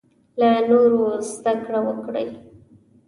له نورو زده کړه وکړې.